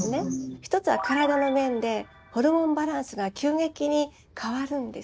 １つは体の面でホルモンバランスが急激に変わるんです。